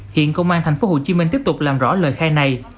hiện công an tp hcm tiếp tục làm rõ lời khai này